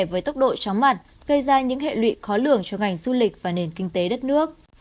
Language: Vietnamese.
những thông tin này cũng được chia sẻ với tốc độ chóng mặt gây ra những hệ lụy khó lường cho ngành du lịch và nền kinh tế đất nước